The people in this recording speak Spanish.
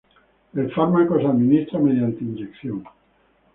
El fármaco se administra mediante inyección.